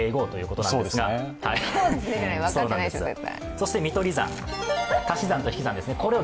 そして見取り算、足し算と引き算です。